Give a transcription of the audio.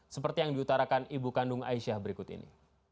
seperti yang diutarakan ibu kandung aisyah berikut ini